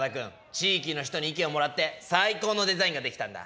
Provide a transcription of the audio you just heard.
地域の人に意見をもらって最高のデザインができたんだ！